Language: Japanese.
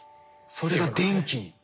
それが電気に。